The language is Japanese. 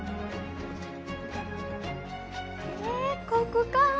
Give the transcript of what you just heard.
ここか。